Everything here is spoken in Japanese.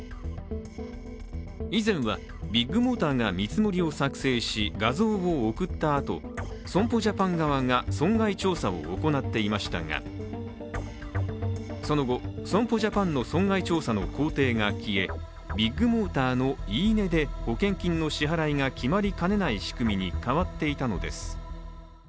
以前はビッグモーターが見積もりを作成し画像を送ったあと損保ジャパン側が損害調査を行っていましたがその後、損保ジャパンの損害調査の工程が消えビッグモーターの言い値で保険金の支払いが決まりかねない仕組みに変わっていたのです。